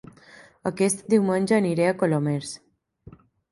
Aquest diumenge aniré a Colomers